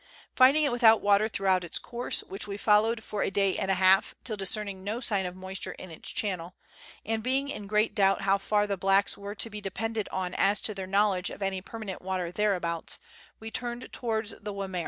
Finding it without water throughout its course, which we followed for a day and a half, till discerning no sign of moisture in its channel, and being in great doubt how far the blacks were to be depended on as to their knowledge of any per manent water thereabouts, we turned towards the^Wimmera.